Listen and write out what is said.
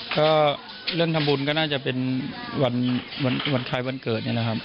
ก็เรื่องทำบุญก็น่าจะเป็นวันคล้ายวันเกิดเนี่ยนะครับ